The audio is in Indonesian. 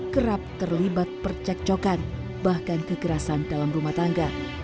kerap terlibat percekcokan bahkan kekerasan dalam rumah tangga